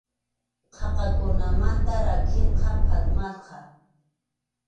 Qaqakunamanta rakisqa, phatmasqa.